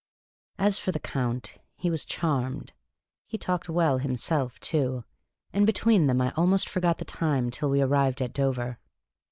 As for the Count, he was charmed. He talked well himself, too, and between them, I almost forgot the time till we arrived at Dover.